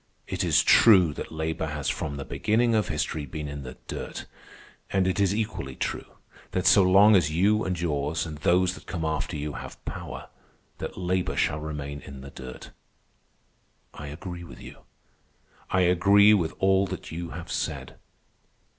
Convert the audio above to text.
It is true that labor has from the beginning of history been in the dirt. And it is equally true that so long as you and yours and those that come after you have power, that labor shall remain in the dirt. I agree with you. I agree with all that you have said.